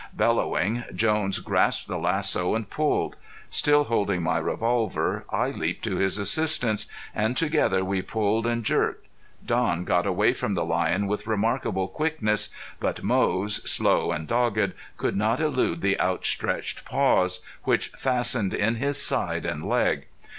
Bellowing, Jones grasped the lasso and pulled. Still holding my revolver, I leaped to his assistance, and together we pulled and jerked. Don got away from the lion with remarkable quickness. But Moze, slow and dogged, could not elude the outstretched paws, which fastened in his side and leg.